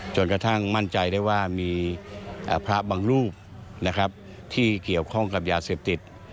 จนกระทั่งมั่นใจได้ว่ามีพระบางรูปนะครับที่เกี่ยวข้องกับยาเสพติด